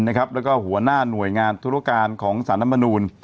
และหัวหน้าหน่วยงานธุรกาลของสถานบนูล